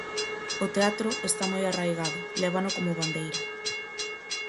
O teatro está moi arraigado, lévano como bandeira.